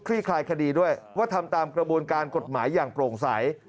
คลายคดีด้วยว่าทำตามกระบวนการกฎหมายอย่างโปร่งใส